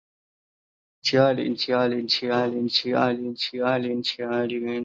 芬兹走廊取名自作为走廊西部边界的芬兹山脉。